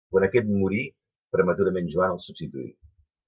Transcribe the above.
Quan aquest morí prematurament Joan el substituí.